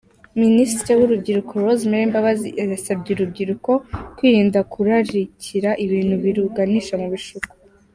Minisitiri w’Urubyiruko, Rosemary Mbabazi, yasabye urubyiruko kwirinda kurarikura ibintu biruganisha mu bishuko.